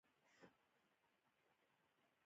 د هر توکي مبادلوي ارزښت د ټولنیز کار له مخې دی.